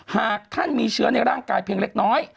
หากท่านมีเชื้อในร่างกายเพียงเล็กน้อย